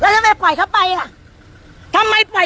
สงบอนของาลี